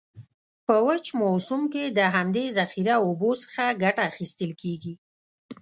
په وچ موسم کې د همدي ذخیره اوبو څخه کټه اخیستل کیږي.